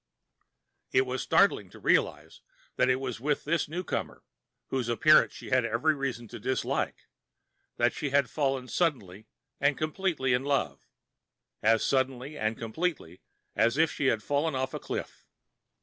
It was startling to realize that it was with this newcomer, whose appearance she had every reason to dislike, that she had fallen suddenly and completely in love, as suddenly and completely as if she had fallen off a cliff.